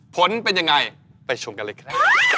ผลเป็นอย่างไรไปชมกันเลยค่ะ